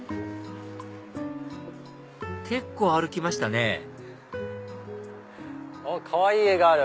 結構歩きましたねあっかわいい絵がある。